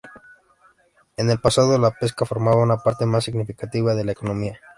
En el pasado, la pesca formaba una parte más significativa de la economía.